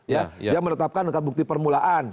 dia menetapkan dengan bukti permulaan